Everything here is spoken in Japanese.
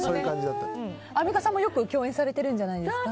アンミカさんもよく共演されているんじゃないんですか。